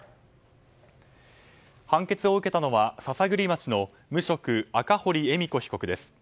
判決を受けたのは篠栗町の無職・赤堀恵美子被告です。